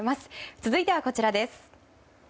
続いてはこちらです。